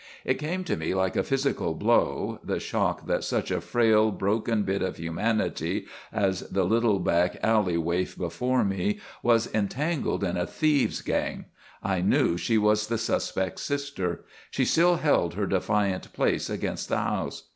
It came to me like a physical blow, the shock that such a frail, broken bit of humanity as the little back alley waif before me was entangled in a thieves' gang. I knew she was the suspect's sister. She still held her defiant place against the house.